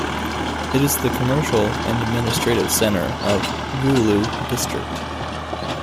It is the commercial and administrative centre of Gulu District.